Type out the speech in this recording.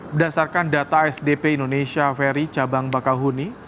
berdasarkan data sdp indonesia ferry cabang bakahuni